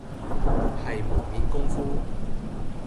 係門面功夫